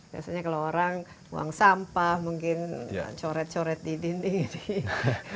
biasanya kalau orang buang sampah mungkin coret coret di dinding